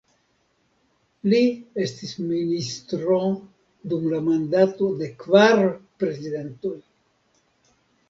Li estis ministro dum la mandato de kvar prezidentoj.